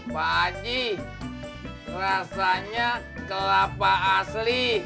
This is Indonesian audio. pak aji rasanya kelapa asli